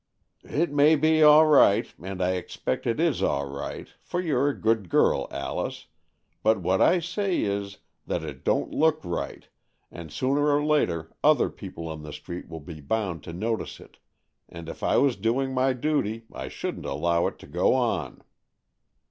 " It may be all right, and I expect it is all right, for you're a good girl, Alice; but AN EXCHANGE OF SOULS 45 what I say is, that it don't look right, and sooner or later other people in the street will be bound to notice it, and if I was doing my duty, I shouldn't allow it to go on."